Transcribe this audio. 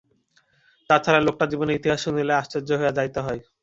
তা ছাড়া, লোকটার জীবনের ইতিহাস শুনিলে আশ্চর্য হইয়া যাইতে হয়।